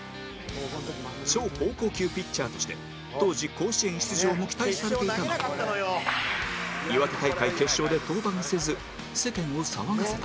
超高校級ピッチャーとして当時甲子園出場も期待されていたが岩手大会決勝で登板せず世間を騒がせた